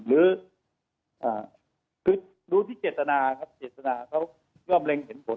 หรือคือรู้ที่เจตนาครับเจตนาเขาย่อมเล็งเห็นผล